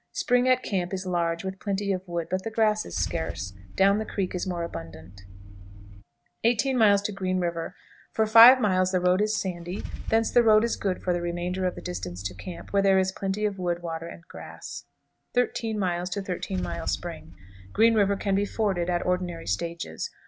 The spring at camp is large, with plenty of wood, but the grass is scarce. Down the creek it is more abundant. 18. Green River. For 5 miles the road is sandy; thence the road is good for the remainder of the distance to camp, where there is plenty of wood, water, and grass. 13. 13 Mile Spring. Green River can be forded at ordinary stages.